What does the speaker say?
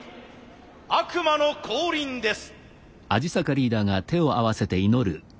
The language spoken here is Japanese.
悪魔の降臨です。